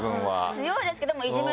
強いですけど。